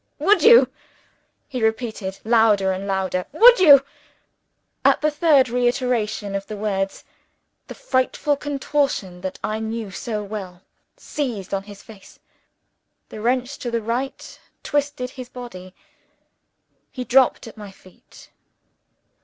"Would you?" he repeated, louder and louder "would you?" At the third reiteration of the words, the frightful contortion that I knew so well, seized on his face. The wrench to the right twisted his body. He dropped at my feet.